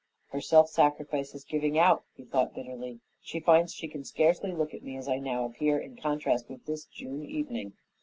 "Her self sacrifice is giving out," he thought bitterly. "She finds she can scarcely look at me as I now appear in contrast with this June evening.